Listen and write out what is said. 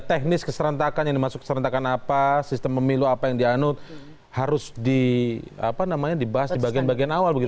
teknis keserentakan yang dimaksud keserentakan apa sistem pemilu apa yang dianut harus dibahas di bagian bagian awal